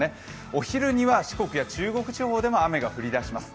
お昼には四国や中国地方でも雨が降り出します。